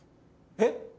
えっ？